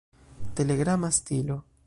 Telegrama stilo.